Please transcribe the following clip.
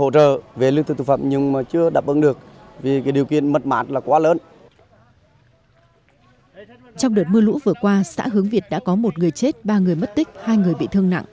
trong đợt mưa lũ vừa qua xã hướng việt đã có một người chết ba người mất tích hai người bị thương nặng